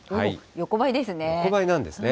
横ばいなんですね。